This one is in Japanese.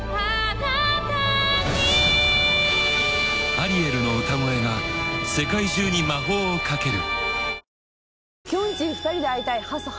［アリエルの歌声が世界中に魔法をかける］